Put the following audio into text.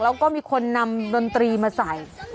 แล้วก็มีคนนำดนตรีมาใส่